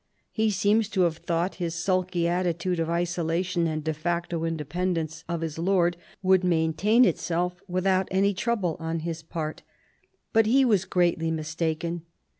He seems to have thought his sulky attitude of isolation and de facto indepen dence of his lord would maintain itself without any trouble on his part, but he was greatly mistaken.